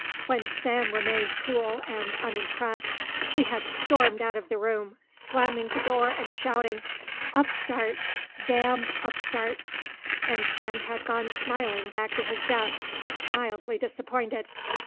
When Sam remained cool and unimpressed, he had stormed out of the room slamming the door and shouting, "Upstart! Damned upstart!" and Sam had gone smiling back to his desk, mildly disappointed.